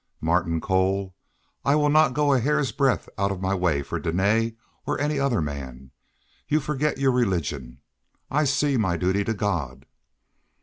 "Martin Cole, I will not go a hair's breadth out of my way for Dene or any other man. You forget your religion. I see my duty to God."